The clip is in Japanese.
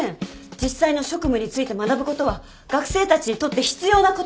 実際の職務について学ぶことは学生たちにとって必要なことです。